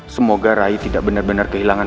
semoga rai tidak benar benar kehilangan